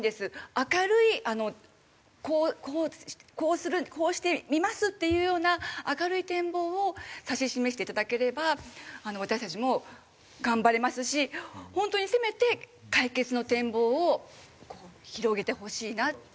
明るいこうするこうしてみますっていうような明るい展望を指し示して頂ければ私たちも頑張れますしホントにせめて解決の展望を広げてほしいなって。